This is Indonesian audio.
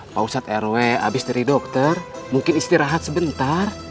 pak ustadz rw habis dari dokter mungkin istirahat sebentar